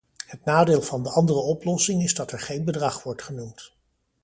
Het nadeel van de andere oplossing is dat er geen bedrag wordt genoemd.